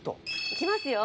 いきますよ！